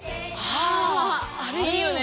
ああれいいよね。